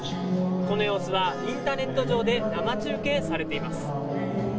この様子はインターネット上で生中継されています。